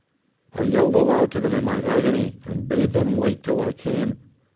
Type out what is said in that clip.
I yelled aloud to them in my agony and bade them wait till I came.